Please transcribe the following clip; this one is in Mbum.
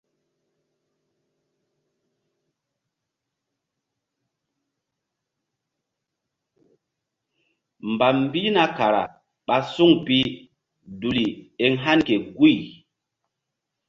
Mbam mbihna kara ɓa suŋ pi duli eŋ hani ke guy.